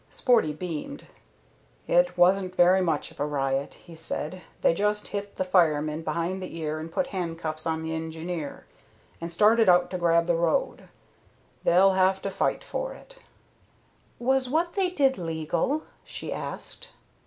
Sporty beamed. "It wasn't very much of a riot," he said. "They just hit the fireman behind the ear and put handcuffs on the engineer, and started out to grab the road. They'll have to fight for it." "Was what they did legal?" she asked.